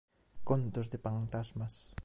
Contos de pantasmas.